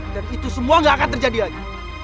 dan itu semua gak akan terjadi lagi